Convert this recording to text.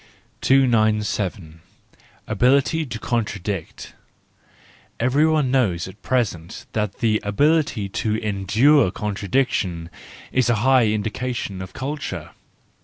297. Ability to Contradict —Everyone knows at present that the ability to endure contradiction is a high indication of culture.